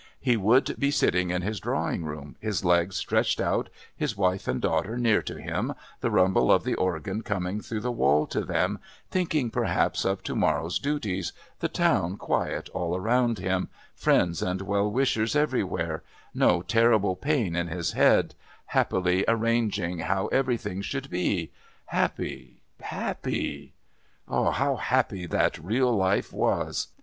He would be sitting in his drawing room, his legs stretched out, his wife and daughter near to him, the rumble of the organ coming through the wall to them, thinking perhaps of to morrow's duties, the town quiet all around them, friends and well wishers everywhere, no terrible pain in his head, happily arranging how everything should be... happy...happy.... Ah! how happy that real life was!